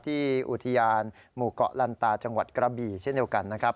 ที่อุทยานหมู่เกาะลันตาจังหวัดกระบี่เช่นเดียวกันนะครับ